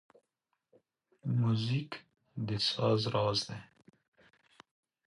موزیک د ساز راز دی.